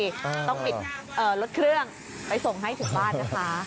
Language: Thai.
อ่าต้องมีเอ่อรถเครื่องไปส่งให้ถึงบ้านนะคะ